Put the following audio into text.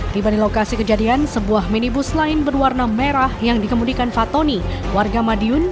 tiba di lokasi kejadian sebuah minibus lain berwarna merah yang dikemudikan fatoni warga madiun